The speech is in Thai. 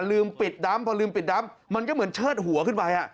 ลืมปิดดำพอลืมปิดดำมันก็เหมือนเชิดหัวขึ้นไป